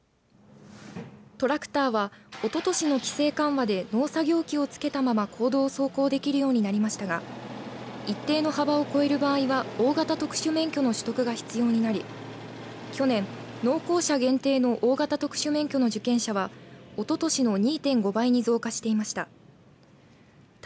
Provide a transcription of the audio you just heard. トラクターはおととしの規制緩和で農作業機を付けたまま公道を走行できるようになりましたが一定の幅を超える場合は大型特殊免許の取得が必要になり去年、農耕車限定の大型特殊免許の受験者はおととしの２．５倍に増加していました。